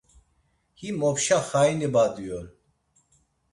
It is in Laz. Him opşa xaini badi on.